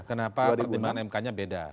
kenapa pertimbangan mk nya beda